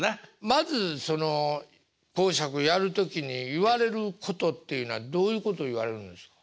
まずその講釈やる時に言われることっていうのはどういうこと言われるんですか？